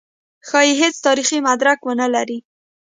ښايي هېڅ تاریخي مدرک ونه لري.